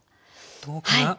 どうかな？